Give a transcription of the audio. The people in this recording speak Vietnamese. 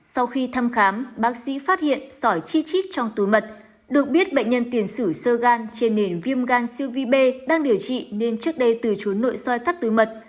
sau khi thăm khám bác sĩ phát hiện sỏi chi chít trong túi mật được biết bệnh nhân tiền sử sơ gan trên nền viêm gan siêu vi b đang điều trị nên trước đây từ chốn nội soi cắt tứ mật